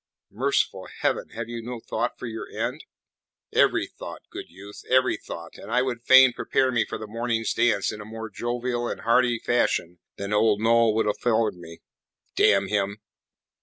"Merciful Heaven! Have you no thought for your end?" "Every thought, good youth, every thought, and I would fain prepare me for the morning's dance in a more jovial and hearty fashion than Old Noll will afford me damn him!"